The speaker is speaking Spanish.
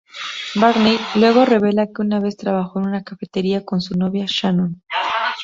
Barney luego revela que una vez trabajó en una cafetería con su novia Shannon.